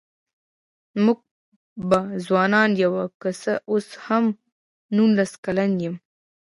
مونږ به ځوانان يوو که څه اوس هم نوولس کلن يم